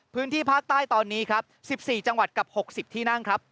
พื้นที่ภาคใต้ตอนนี้ครับ๑๔จังหวัดกับ๖๐ที่นั่งครับ